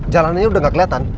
jalanannya udah gak keliatan